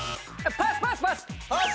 パスパスパス！